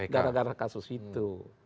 gara gara kasus itu